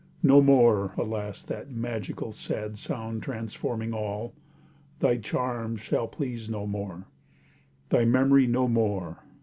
No more! alas, that magical sad sound Transforming all! Thy charms shall please no more— Thy memory _no more!